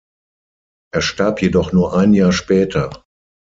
Er starb jedoch nur ein Jahr später.